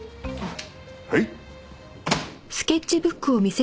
はい。